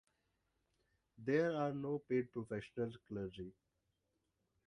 There are no paid professional clergy.